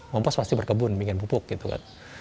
kompas pasti berkebun bikin pupuk gitu kan